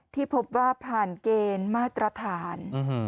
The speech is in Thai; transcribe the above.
ที่พบว่าผ่านเกณฑ์มาตรฐาน